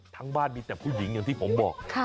ทั้งบ้านมีแต่ผู้หญิงอย่างที่ผมบอก